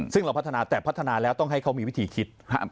ซึ่งเราพัฒนาแต่พัฒนาแล้วต้องให้เขามีวิธีคิด